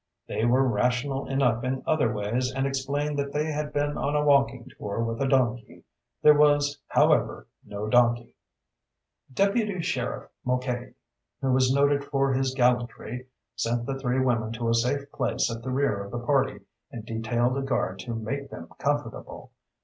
They were rational enough in other ways and explained that they had been on a walking tour with a donkey. There was, however, no donkey. Deputy Sheriff Mulcahy, who is noted for his gallantry, sent the three women to a safe place at the rear of the party and detailed a guard to make them, comfortable.